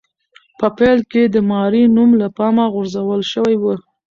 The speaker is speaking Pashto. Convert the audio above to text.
په پیل کې د ماري نوم له پامه غورځول شوی و.